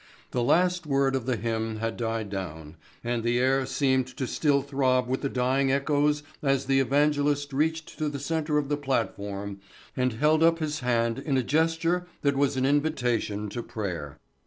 The last word of the hymn had died down and the air seemed to still throb with the dying echoes as the evangelist reached to the center of the platform and held up his hand in a gesture which was an invitation to prayer.